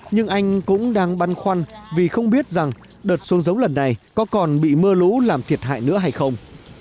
nhưng anh cũng đang băn khoăn vì không biết rằng đợt xuống giống lần này có còn bị mưa lũ làm thiệt hại nữa hay không